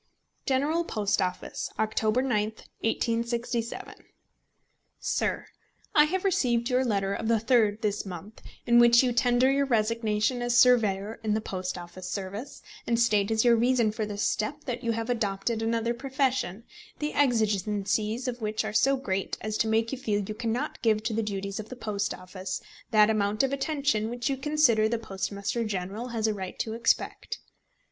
General Post Office, October 9th, 1867. SIR, I have received your letter of the 3d inst., in which you tender your resignation as Surveyor in the Post Office service, and state as your reason for this step that you have adopted another profession, the exigencies of which are so great as to make you feel you cannot give to the duties of the Post Office that amount of attention which you consider the Postmaster General has a right to expect.